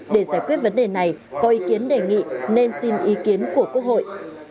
để giải quyết vấn đề này có ý kiến đề nghị nên xin ý kiến của quốc hội